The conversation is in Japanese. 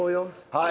はい。